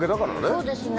そうですね。